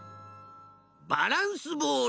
バランスボール！